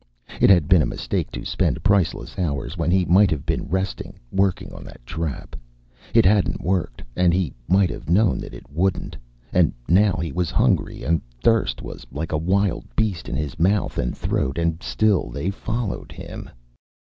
It had been a mistake to spend priceless hours when he might have been resting working on that trap. It hadn't worked, and he might have known that it wouldn't. And now he was hungry, and thirst was like a wild beast in his mouth and throat, and still they followed him.